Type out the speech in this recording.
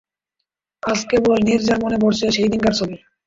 আজ কেবল নীরজার মনে পড়ছে সেইদিনকার ছবি।